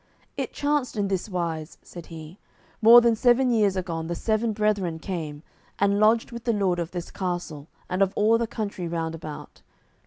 "It chanced in this wise," said he: "More than seven years agone the seven brethren came, and lodged with the lord of this castle and of all the country round about.